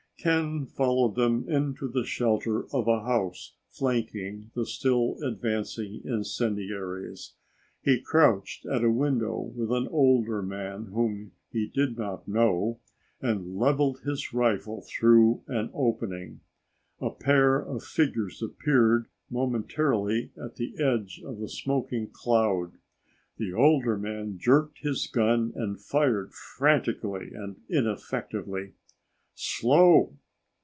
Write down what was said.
Ken followed them into the shelter of a house flanking the still advancing incendiaries. He crouched at a window with an older man whom he did not know and leveled his rifle through an opening. A pair of figures appeared momentarily at the edge of the smoking cloud. The older man jerked his gun and fired frantically and ineffectively. "Slow!"